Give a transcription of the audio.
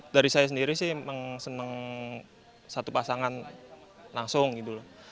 dari saya sendiri sih emang seneng satu pasangan langsung gitu loh